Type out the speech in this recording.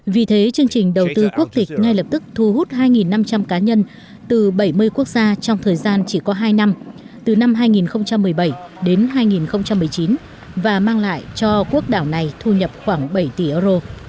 vì thế chương trình đầu tư quốc tịch ngay lập tức thu hút hai năm trăm linh cá nhân từ bảy mươi quốc gia trong thời gian chỉ có hai năm từ năm hai nghìn một mươi bảy đến hai nghìn một mươi chín và mang lại cho quốc đảo này thu nhập khoảng bảy tỷ euro